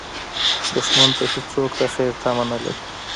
دښمن ته هېڅوک د خیر تمه نه لري